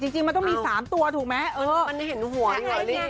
จริงมันต้องมี๓ตัวถูกไหมโอ้โหมันเลยเห็นหัวอยู่หรอหลีก